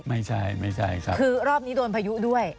ไม่ใช่คือรอบนี้โดนพยุด้วย